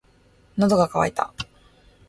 喉が渇いた。